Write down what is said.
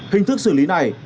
hình thức xử lý này